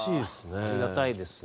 ありがたいですね